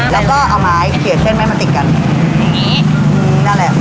แล้วก็เอาไม้เขียนเส้นไม่มาติดกันอย่างงี้อืมนั่นแหละ